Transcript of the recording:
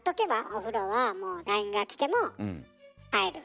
お風呂はもうＬＩＮＥが来ても入る。